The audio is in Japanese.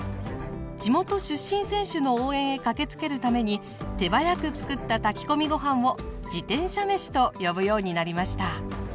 地元出身選手の応援へ駆けつけるために手早くつくった炊き込みご飯を「自転車めし」と呼ぶようになりました。